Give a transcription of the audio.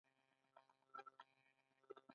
ایا زه باید نسوار وکړم؟